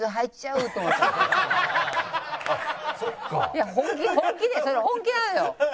いや本気本気でそれ本気なのよ。